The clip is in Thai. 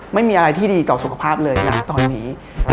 ไม่มีอะไรที่ดีต่อสุขภาพเลยนะตอนนี้